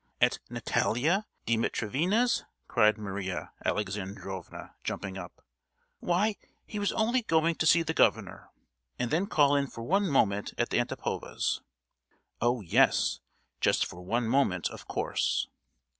"At Natalia Dimitrievna's?" cried Maria Alexandrovna jumping up. "Why, he was only going to see the Governor, and then call in for one moment at the Antipova's!" "Oh, yes, just for one moment—of course!